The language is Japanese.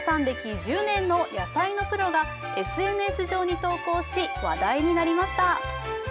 歴１０年の野菜のプロがＳＮＳ上に投稿し、話題になりました。